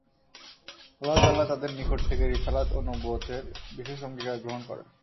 আল্লাহ তাআলা তাদের নিকট থেকে রিসালাত ও নবুওতের বিশেষ অঙ্গীকার গ্রহণ করেন।